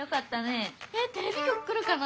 えっテレビきょく来るかな？